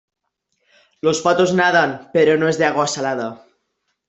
los patos nadan. pero no es de agua salada